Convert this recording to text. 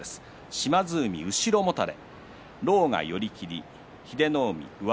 島津海は後ろもたれ。